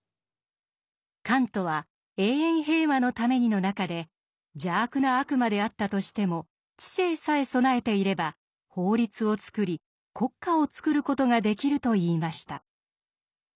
カントは「永遠平和のために」の中で「邪悪な悪魔であったとしても知性さえ備えていれば法律を作り国家を作る事ができる」と言いました。